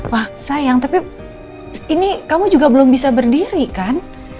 wah sayang tapi ini kamu juga belum bisa berdiri kan